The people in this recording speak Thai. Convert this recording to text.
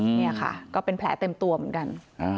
นี่ค่ะก็เป็นแผลเต็มตัวเหมือนกัน